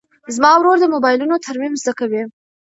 زما ورور د موبایلونو ترمیم زده کوي.